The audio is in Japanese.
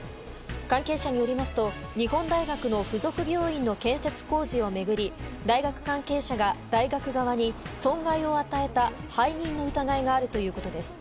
関係者によりますと日本大学の付属病院の建設工事を巡り、大学関係者が大学側に、損害を与えた背任の疑いがあるということです。